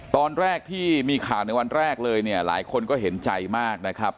ตอนแรกที่มีข่าวในวันแรกเลยเนี่ยหลายคนก็เห็นใจมากนะครับ